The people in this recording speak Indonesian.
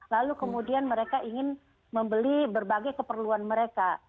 lalu kemudian mereka ingin membeli berbagai keperluan mereka